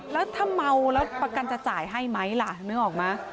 แล้วถ้าเมาแล้วประกันจะจ่ายให้ไหมล่ะนึกออกไหม